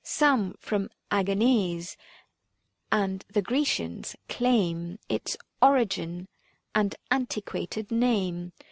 Some, from Agones and the Grecians, claim 355 Its origin and antiquated name.